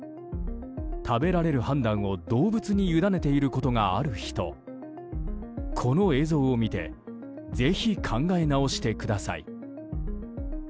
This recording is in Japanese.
食べられる判断を動物に委ねていることがある人この映像を見てぜひ考え直してください。